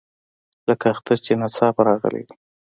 لکه اختر چې ناڅاپه راغلی وي.